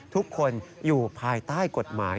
ทุกคนอยู่ภายใต้กฎหมาย